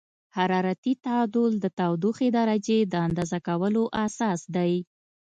حرارتي تعادل د تودوخې درجې د اندازه کولو اساس دی.